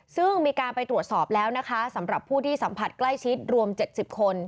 ซึ่งมีการไปตรวจสอบแล้วนะคะสำหรับผู้ที่สัมผัสใกล้ชิดรวม๗๐คน